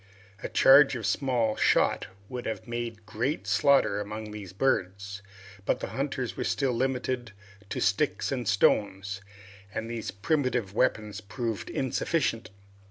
A charge of small shot would have made great slaughter among these birds, but the hunters were still limited to sticks and stones, and these primitive weapons proved very insufficient.